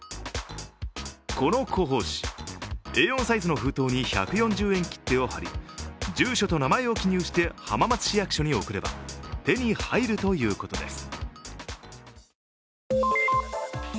この広報誌、Ａ４サイズの封筒に１４０円切手を貼り住所と名前を記入して浜松市役所に送れば手に入るということです。